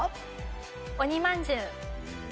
鬼まんじゅう。